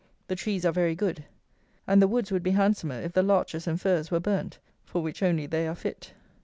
The trees are very good, and the woods would be handsomer if the larches and firs were burnt, for which only they are fit.